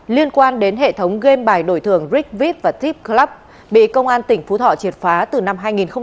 liên quan đến hệ thống game bài đổi thường rig vip và tip club bị công an tp hcm triệt phá từ năm hai nghìn một mươi bảy